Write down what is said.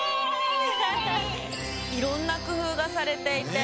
いろんなくふうがされていて。